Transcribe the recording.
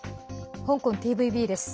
香港ＴＶＢです。